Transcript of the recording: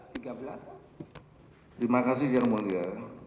terima kasih yang mulia